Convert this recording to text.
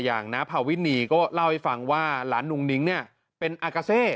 น้าพาวินีก็เล่าให้ฟังว่าหลานนุ่งนิ้งเนี่ยเป็นอากาเซ